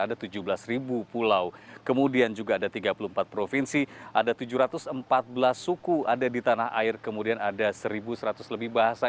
ada tujuh belas ribu pulau kemudian juga ada tiga puluh empat provinsi ada tujuh ratus empat belas suku ada di tanah air kemudian ada satu seratus lebih bahasa